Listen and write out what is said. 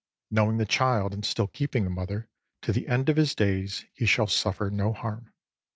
Know ing the Child and still keeping the Mother, to the end of his days he shall suffer no harm.